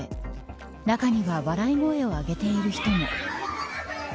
中には笑い声を上げている人も。